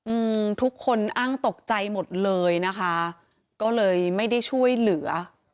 อืมทุกคนอ้างตกใจหมดเลยนะคะก็เลยไม่ได้ช่วยเหลือ